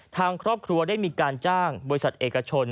ทางครอบครัวได้มีการจ้างบริษัทเอกชน